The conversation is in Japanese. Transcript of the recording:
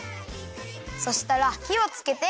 そしたらひをつけて。